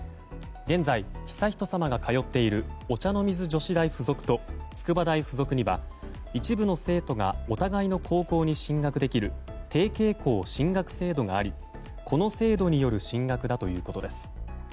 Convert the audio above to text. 現在、悠仁さまが通っているお茶の水女子大附属と筑波大附属には一部の生徒がお互いの高校に進学できる提携校進学制度がありこの制度による進学だということです。